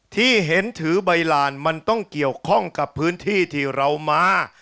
ที่เห็นถือใบลานมันต้องเกี่ยวข้องกับพื้นที่ที่เรามา